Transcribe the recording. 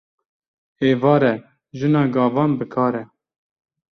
Êvar e jina gavan bi kar e